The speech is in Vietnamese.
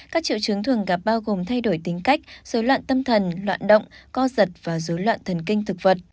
các triệu chứng thường gặp bao gồm thay đổi tính cách dối loạn tâm thần loạn động co giật và dối loạn thần kinh thực vật